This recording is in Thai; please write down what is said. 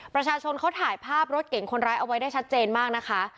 ประชาชนเขาถ่ายภาพรถเก่งคนร้ายเอาไว้ได้ชัดเจนมากนะคะ